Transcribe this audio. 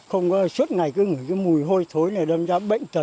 không có suốt này cứ ngửi cái mùi hôi thối này đâm ra bệnh tật